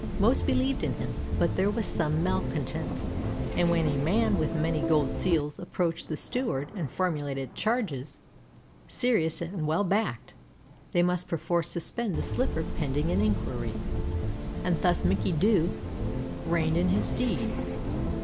Most believed in him, but there were some malcontents, and when a man with many gold seals approached the Steward and formulated charges, serious and well backed, they must perforce suspend the slipper pending an inquiry, and thus Mickey Doo reigned in his stead.